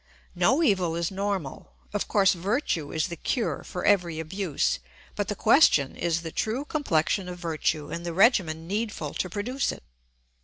No evil is normal. Of course virtue is the cure for every abuse; but the question is the true complexion of virtue and the regimen needful to produce it.